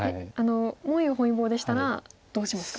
文裕本因坊でしたらどうしますか？